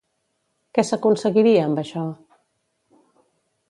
Què s'aconseguiria amb això?